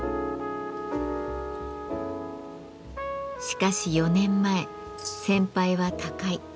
しかし４年前先輩は他界。